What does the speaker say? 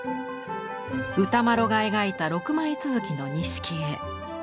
歌麿が描いた６枚続きの錦絵。